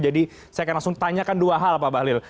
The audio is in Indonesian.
jadi saya akan langsung tanyakan dua hal pak bahlil